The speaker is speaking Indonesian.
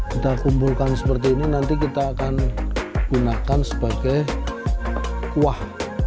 kita kumpulkan seperti ini nanti kita akan gunakan sebagai kuah